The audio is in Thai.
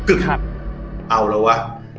เอาละวะ